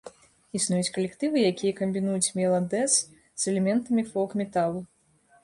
Існуюць калектывы, якія камбінуюць мела-дэз з элементамі фолк-металу.